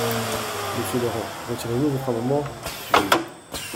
Monsieur Laurent, retirez-vous votre amendement ? Oui.